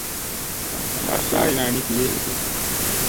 Sa ma taa yoorina ni gige.